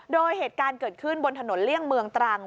โดยเหตุการณ์เกิดขึ้นบนถนนเลี่ยงเมืองตรัง